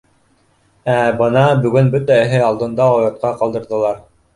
Ә бына бөгөн бөтәһе алдында ла оятҡа ҡалдырҙылар.